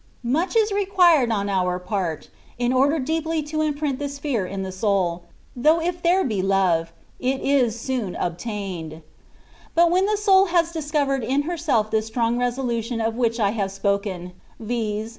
Mndi is required on our part, in order deeply to imprint this fear in the soul, though if there be love, it* is soon obtained. But when the soul has discovered in herself this strong resolution of which I hmve spoken, vix.